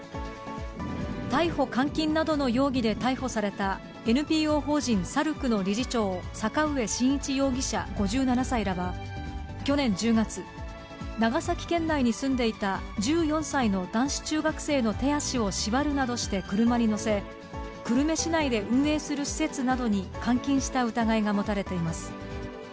逮捕・監禁などの容疑で逮捕されたＮＰＯ法人さるくの理事長、坂上慎一容疑者５７歳らは、去年１０月、長崎県内に住んでいた１４歳の男子中学生の手足を縛るなどして車に乗せ、久留米市内で運営する施設などに監禁した疑いが持たれています。